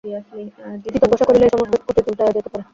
কি তপস্যা করিলে এ সমস্ত অতীত উল্টাইয়া যাইতে পারে।